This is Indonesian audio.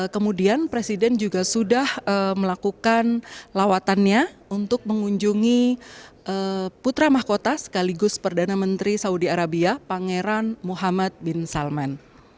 kemudian presiden juga sudah melakukan lawatannya untuk mengunjungi putra mahkota sekaligus perdana menteri saudi arabia pangeran muhammad bin salman